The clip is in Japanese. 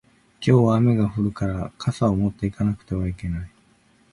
今日は雨が降るから傘を持って行かなくてはいけない